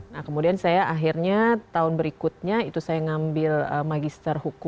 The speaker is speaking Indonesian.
nah kemudian saya akhirnya tahun berikutnya itu saya ngambil magister hukum